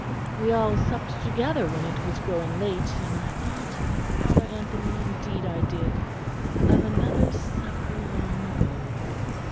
We all supped together when it was growing late; and I thought, Father Anthony indeed I did of another Supper long ago.